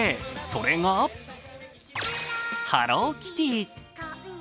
それがハローキティ。